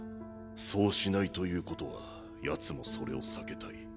そうしないという事は奴もそれを避けたい。